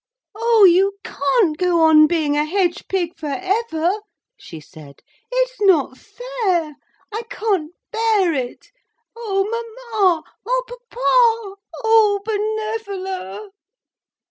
'] 'Oh, you can't go on being a hedge pig for ever,' she said, 'it's not fair. I can't bear it. Oh Mamma! Oh Papa! Oh Benevola!'